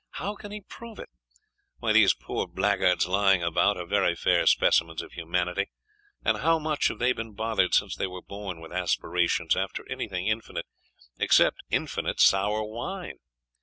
How can he prove it? Why, these poor blackguards lying about are very fair specimens of humanity. And how much have they been bothered since they were born with aspirations after anything infinite, except infinite sour wine?